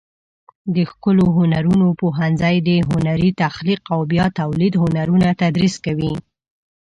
د ښکلو هنرونو پوهنځی د هنري تخلیق او بیا تولید هنرونه تدریس کوي.